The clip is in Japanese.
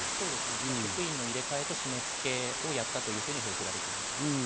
職員の入れ替えと締め付けをやったと報じられていました。